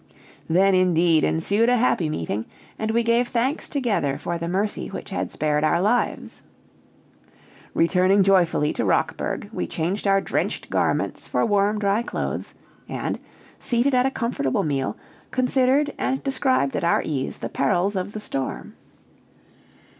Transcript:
Then indeed ensued a happy meeting, and we gave thanks together for the mercy which had spared our lives. Returning joyfully to Rockburg, we changed our drenched garments for warm, dry clothes; and, seated at a comfortable meal, considered and described at our ease the perils of the storm.